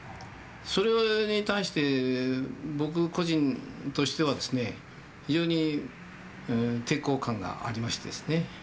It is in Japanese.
それに対して僕個人としてはですね非常に抵抗感がありましてですね。